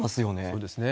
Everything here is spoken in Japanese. そうですね。